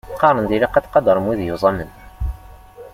Qqaren-d ilaq ad tqadrem wid yuẓamen.